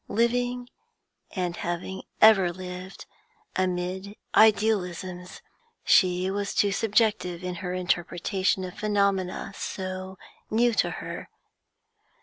Living, and having ever lived, amid idealisms, she was too subjective in her interpretation of phenomena so new to her.